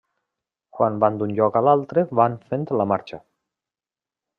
Quan van d'un lloc a l'altre van fent la marxa.